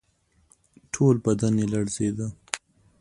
ټول بدن یې لړزېده.